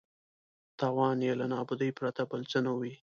تاوان یې له نابودۍ پرته بل څه نه وي.